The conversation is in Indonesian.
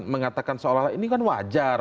mengatakan seolah olah ini kan wajar